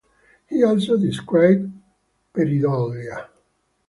He also described pareidolia.